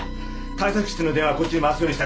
対策室の電話はこっちに回すようにしたから。